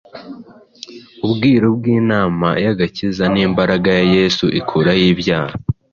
ubwiru bw’inama y’agakiza n’imbaraga ya Yesu ikuraho ibyaha;